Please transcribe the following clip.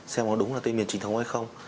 xem nó đúng là tên miền trình thống hay không